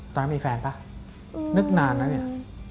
ตอนนี้มีแฟนป่ะนึกนานแล้วเนี่ย